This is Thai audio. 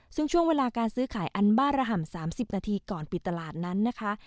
ซึ่งช่วงเวลาการซื้อขายอันบ้าระห่ำ๓๐นาทีก่อนปิดตลาดนั้นนะคะ